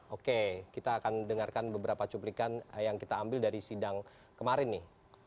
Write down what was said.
oke kita akan dengarkan beberapa cuplikan yang kita ambil dari sidang kemarin nih